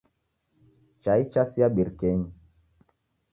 Chai chasia birikenyi.